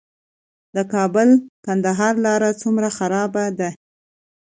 د کابل - کندهار لاره څومره خرابه ده؟